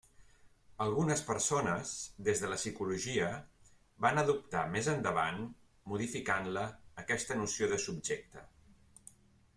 Algunes persones, des de la psicologia, van adoptar més endavant, modificant-la, aquesta noció de subjecte.